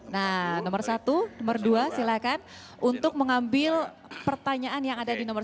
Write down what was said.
nah nomor satu nomor dua silahkan untuk mengambil pertanyaan yang ada di nomor satu